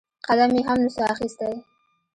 قدم يې هم نسو اخيستى.